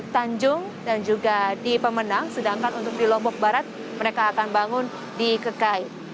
tanjung dan juga di pemenang sedangkan untuk di lombok barat mereka akan bangun di kekai